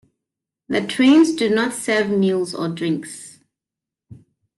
The trains do not serve meals or drinks.